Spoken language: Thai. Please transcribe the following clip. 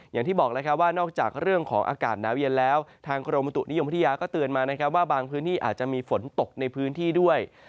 อย่างที่บอกแล้วครับว่านอกจากเรื่องของอากาศหนาวเย็นแล้วทางกรมบุตุนิยมพัทยาก็เตือนมานะครับว่าบางพื้นที่อาจจะมีฝนตกในพื้นที่ด้วย